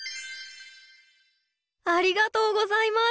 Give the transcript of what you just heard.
ありがとうございます。